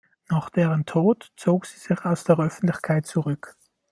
Nach deren Tod zog sie sich aus der Öffentlichkeit zurück.